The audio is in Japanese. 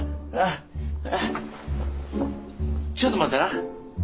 ちょっと待ってな。